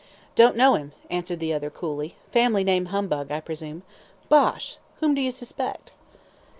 "Don't know him," answered the other, coolly; "family name Humbug, I presume. Bosh! Whom do you suspect?"